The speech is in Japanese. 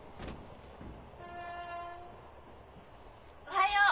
おはよう！